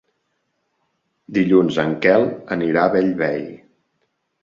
Dilluns en Quel anirà a Bellvei.